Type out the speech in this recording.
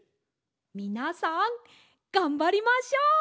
みなさんがんばりましょう！